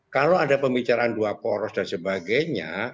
kalau ada pembicaraan dua poros dan sebagainya